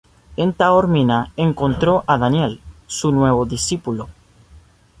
En Taormina encontró a Daniel, su nuevo discípulo.